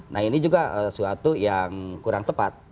nah ini juga suatu yang kurang tepat